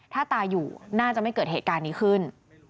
ถ้าตาอยู่น่าจะไม่เกิดเหตุการณ์นี้ขึ้น